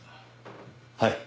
はい。